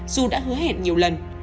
dù đã hứa hẹn nhiều lần